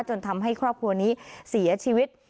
จนทำให้ครอบครัวนี้เสียชีวิต